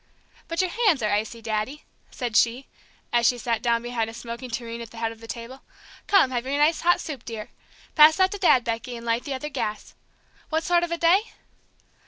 "But your hands are icy, Daddy," said she, as she sat down behind a smoking tureen at the head of the table. "Come, have your nice hot soup, dear. Pass that to Dad, Becky, and light the other gas. What sort of a day?"